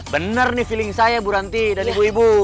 bener nih feeling saya bu ranti dan ibu ibu